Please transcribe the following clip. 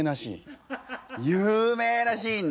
有名なシーン。